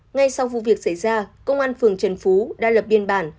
ngay sau vụ việc xảy ra công an phường trần phú đã lập biên bản